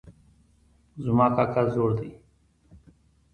زما کاکا زوړ ده